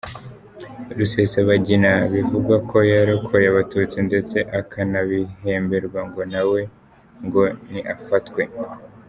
Rusesabagina, bivugwa ko yarokoye abatutsi ndetse akanabihemberwa ngo nawe ngo ni afatwe.